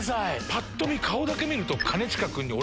ぱっと見顔だけ見ると。